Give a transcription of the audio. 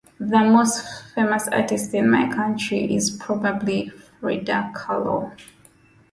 The most famous artist in my country is probably Frida Kahlo.